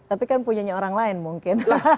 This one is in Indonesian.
tapi kan punya orang lain mungkin